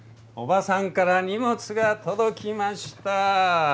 叔母さんから荷物が届きました。